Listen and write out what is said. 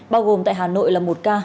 bao gồm tại hà nội là một ca